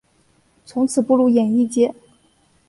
从此步入演艺界。